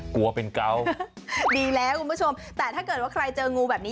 กลัวเป็นเกาดีแล้วคุณผู้ชมแต่ถ้าเกิดว่าใครเจองูแบบนี้